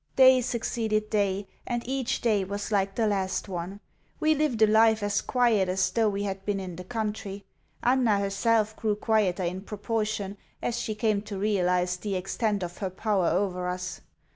Day succeeded day, and each day was like the last one. We lived a life as quiet as though we had been in the country. Anna herself grew quieter in proportion as she came to realise the extent of her power over us.